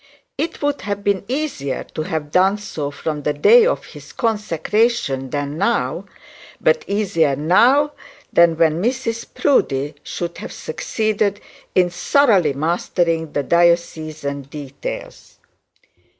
It would have been easier to have done so from the day of his consecration than now, but easier now than when Mrs Proudie should have succeeded in thoroughly mastering the diocesan details.